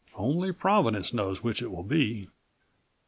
Only Providence knows which it will be."